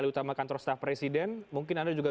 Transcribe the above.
di utama kantor staf presiden mungkin anda juga